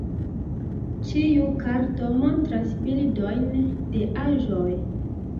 Ĉiu karto montras bildojn de aĵoj.